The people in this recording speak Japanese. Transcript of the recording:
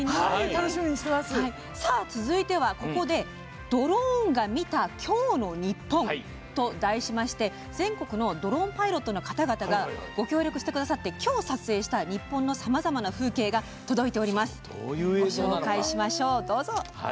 続いてはここで「ドローンで見る今日のニッポン」と題しまして全国のドローンパイロットの方々がご協力くださって今日撮影した日本のさまざまな風景が届いております。